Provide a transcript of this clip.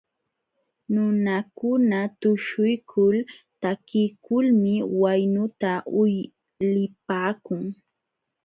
Nunakuna tuśhuykul takiykulmi waynuta uylipaakun.